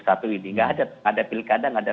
satu ini tidak ada tidak ada pilkada tidak ada